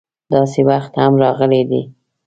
داسې وخت هم راغلی دی.